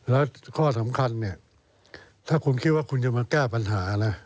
แล้วข้อสำคัญเนี่ยถ้าคุณคิดว่าคุณจะมาแก้ปัญหานะ